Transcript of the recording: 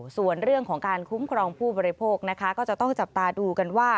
ส่วนเรื่องของการคุ้มครองผู้บริโภคนะคะก็จะต้องจับตาดูกันว่า